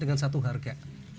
dengan satu harga